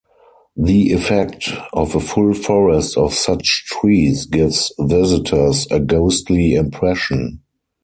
The effect of a full forest of such trees gives visitors a ghostly impression.